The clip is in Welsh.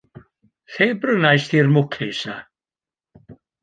Lle brynist ti'r mwclis 'na?